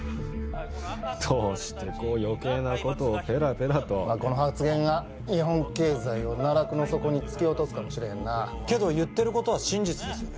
どうしてこう余計なことをペラペラとまあこの発言が日本経済を奈落の底に突き落とすかもしれへんなけど言ってることは真実ですよね？